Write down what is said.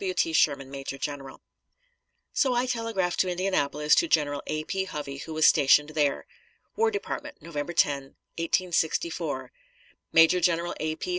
W. T. SHERMAN, Major General. So I telegraphed to Indianapolis to General A. P. Hovey, who was stationed there: WAR DEPARTMENT, November 10, 1864. Major General A. P.